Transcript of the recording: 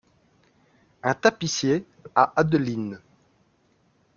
Un tapissier , à Adeline.